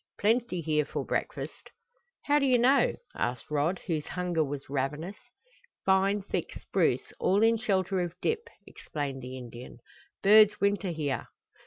"Plenty here for breakfast." "How do you know?" asked Rod, whose hunger was ravenous. "Fine thick spruce, all in shelter of dip," explained the Indian. "Birds winter here."